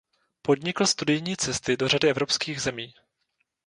Podnikl studijní cesty do řady evropských zemí.